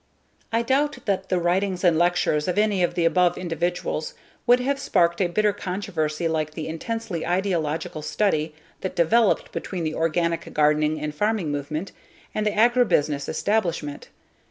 I doubt that the writings and lectures of any of the above individuals would have sparked a bitter controversy like the intensely ideological struggle that developed between the organic gardening and farming movement and the agribusiness establishment.